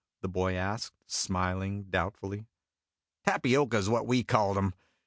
the boy asked, smiling doubtfully. "Tapioca is what we called 'em.